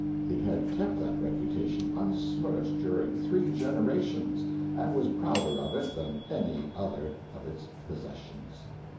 It had kept that reputation unsmirched during three generations, and was prouder of it than of any other of its possessions.